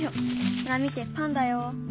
ほら見てパンだよ。